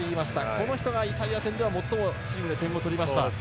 この人がイタリア戦では最もチームで点を取りました。